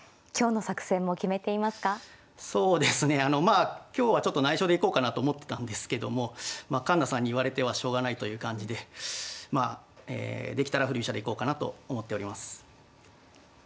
そうですね今日はちょっとないしょでいこうかなと思ってたんですけども環那さんに言われてはしょうがないという感じでできたら振り飛車でいこうかなと思っております。